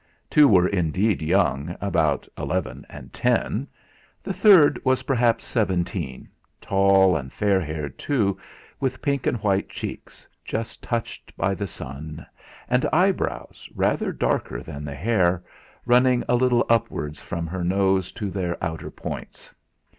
Two were indeed young, about eleven and ten. The third was perhaps seventeen, tall and fair haired too, with pink and white cheeks just touched by the sun, and eyebrows, rather darker than the hair, running a little upwards from her nose to their outer points.